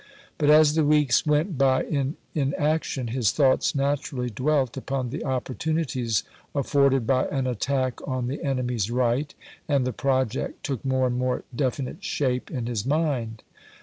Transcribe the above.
But as the weeks went by in inaction, his thoughts natui'ally dwelt upon the opportunities afforded by an attack on the enemy's right, and the project took more and more definite shape in his mind.